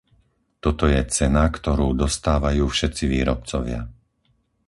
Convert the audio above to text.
Toto je cena, ktorú dostávajú všetci výrobcovia.